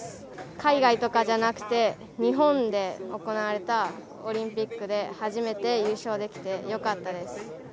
海外とかじゃなくて、日本で行われたオリンピックで初めて優勝できて、よかったです。